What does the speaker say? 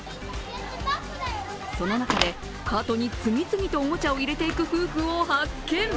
その中で、カートに次々とおもちゃを入れていく夫婦を発見。